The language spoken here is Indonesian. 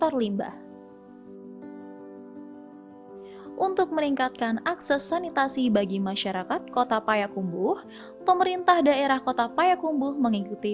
arah kebijakan tersebut sejalan dengan arah kebijakan masyarakat